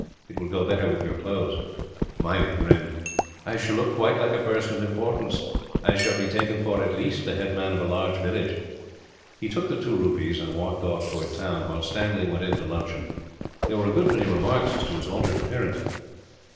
It will go better with your clothes." Meinik grinned. "I shall look quite like a person of importance. I shall be taken for, at least, the headman of a large village." He took the two rupees and walked off towards the town, while Stanley went in to luncheon. There were a good many remarks as to his altered appearance.